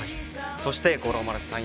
そして、五郎丸さん